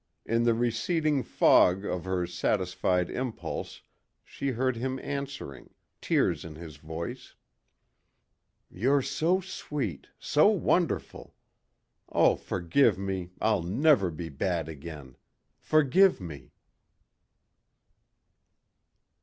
In the receding fog of her satisfied impulse she heard him answering, tears in his voice. "You're so sweet.... So wonderful. Oh, forgive me.... I'll never be bad again.... Forgive me...."